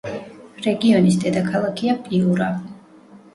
რეგიონის დედაქალაქია პიურა.